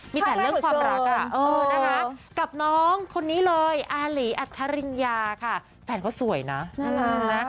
มีแต่เรื่องความรักกับน้องคนนี้เลยอาหลีอัธริญญาค่ะแฟนเขาสวยนะน่ารักนะ